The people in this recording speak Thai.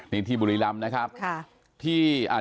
นี่ที่บุรีลำนะครับ